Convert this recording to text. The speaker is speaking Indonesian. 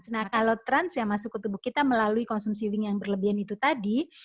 nah kalau trans yang masuk ke tubuh kita melalui konsumsi wing yang berlebihan itu tadi